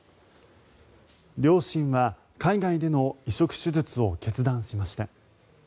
両親は海外での移植手術を決断しました。